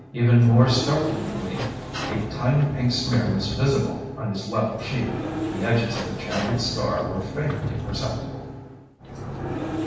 Even more startling, a tiny pink smear was visible on his left cheek. The edges of a jagged scar were faintly perceptible.